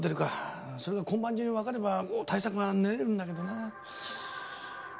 それが今晩中にわかれば対策が練れるんだけどなあ。